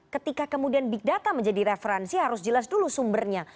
ketika kemudian big data menjadi referensi harus jelas dulu sumbernya